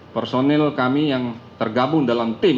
personil kami yang tergabung dalam tim